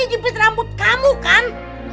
ini jepit rambut kamu kan